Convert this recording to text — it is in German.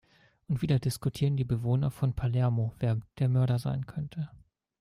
Und wieder diskutieren die Bewohner von Palermo, wer der Mörder sein könnte.